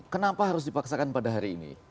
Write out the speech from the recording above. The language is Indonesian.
kenapa harus dipaksakan pada hari ini